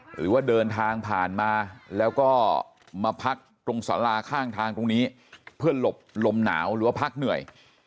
หรือว่าเดินทางผ่านมาแล้วก็มาพักตรงสาราข้างทางตรงนี้เพื่อหลบลมหนาวหรือว่าพักเหนื่อย